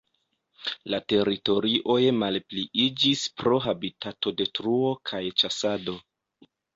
La teritorioj malpliiĝis pro habitatodetruo kaj ĉasado.